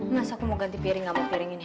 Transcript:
mas aku mau ganti piring gak mau piring ini